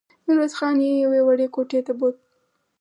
ميرويس خان يې يوې وړې کوټې ته بوت.